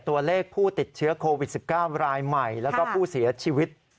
ตัวเลขผู้ติดเชื้อโควิด๑๙รายใหม่แล้วก็ผู้เสียชีวิต